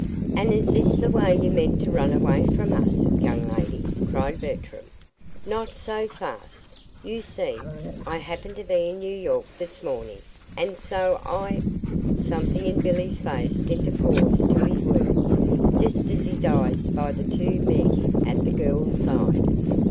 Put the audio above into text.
"And is this the way you meant to run away from us, young lady?" cried Bertram. "Not so fast! You see, I happened to be in New York this morning, and so I " Something in Billy's face sent a pause to his words just as his eyes spied the two men at the girl's side.